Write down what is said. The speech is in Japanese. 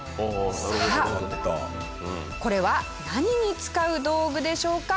さあこれは何に使う道具でしょうか？